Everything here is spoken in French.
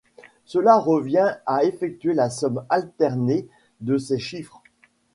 Cela revient à effectuer la somme alternée de ses chiffres.